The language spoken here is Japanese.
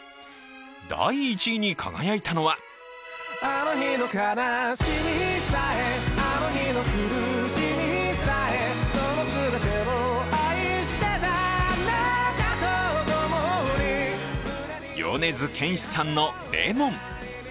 第１位に輝いたのは米津玄師さんの「Ｌｅｍｏｎ」。